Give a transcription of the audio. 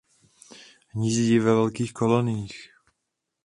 Hnízdí ve velkých koloniích.